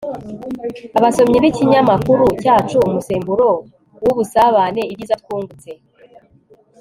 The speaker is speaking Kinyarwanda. abasomyi b'ikinyamakuru cyacu umusemburo w'ubusabane ibyiza twungutse